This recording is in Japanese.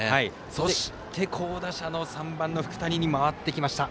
そして好打者の３番、福谷に回ってきました。